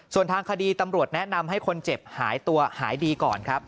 ส่วนทางคดีตำรวจแนะนำให้คนเจ็บหายตัวหายดีก่อนครับ